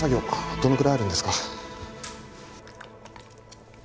どのくらいあるんですか？